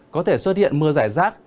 có thể xuất hiện mưa giải rác